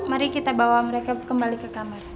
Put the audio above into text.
mari kita bawa mereka kembali ke kamar